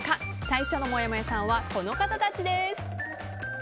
最初のもやもやさんはこの方たちです。